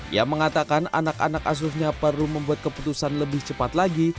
ia mengatakan anak anak asuhnya perlu membuat keputusan lebih cepat lagi